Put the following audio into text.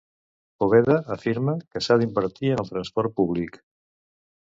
Poveda afirma que s'ha d'invertir en el transport públic.